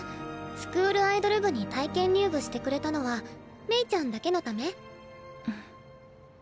スクールアイドル部に体験入部してくれたのはメイちゃんだけのため？